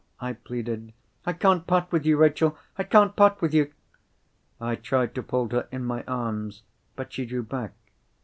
I pleaded. "I can't part with you, Rachel—I can't part with you!" I tried to fold her in my arms. But she drew back.